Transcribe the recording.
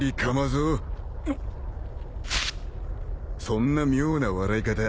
そんな妙な笑い方